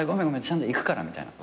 ちゃんと行くから」みたいな。